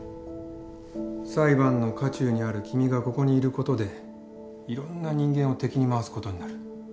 裁判の渦中にある君がここにいることでいろんな人間を敵に回すことになる。